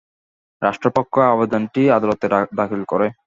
রাষ্ট্রপক্ষ আবেদনটি আদালতে দাখিল করে।